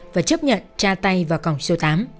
và chấp nhận tra tay vào cổng số tám